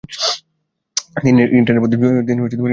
তিনি ইন্টার্নের পদে যোগদান করেন।